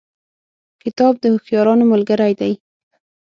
کتاب د هوښیارانو ملګری دی.